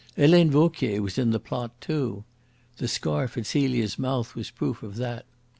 Helene Vauquier was in the plot, too. The scarf at Celia's mouth was proof of that.